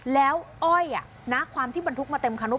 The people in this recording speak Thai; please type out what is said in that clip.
แล้วอ้อยณความที่มันทุกข์มาเต็มคันรถ